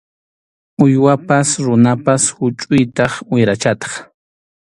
Uywapas runapas huchʼuytaq wirachataq.